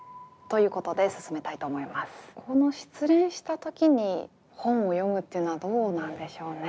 この失恋した時に本を読むっていうのはどうなんでしょうね？